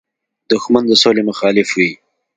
دښمن د سولې مخالف وي